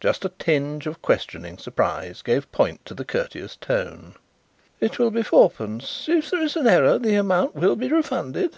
Just a tinge of questioning surprise gave point to the courteous tone. "It will be fourpence. If there is an error the amount will be refunded."